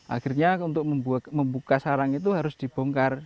akhirnya untuk membuka sarang itu harus dibongkar